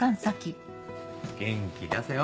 元気出せよ。